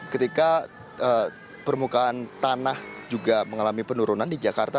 ketika permukaan tanah juga mengalami penurunan di jakarta